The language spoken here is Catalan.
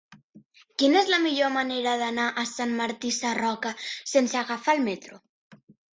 Quina és la millor manera d'anar a Sant Martí Sarroca sense agafar el metro?